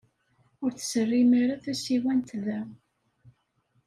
Ur tserrim ara tasiwant da.